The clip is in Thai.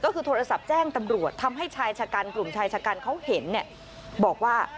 ก็คือโทรศัพท์แจ้งตำรวจทำให้ชายชะกันกลุ่มชายชะกันเขาเห็นบอกว่า